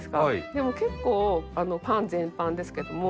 でも結構パン全般ですけども。